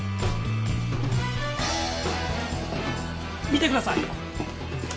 見てください